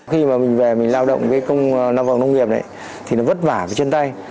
khi mà mình về mình lao động cái công lao vòng nông nghiệp này thì nó vất vả với chân tay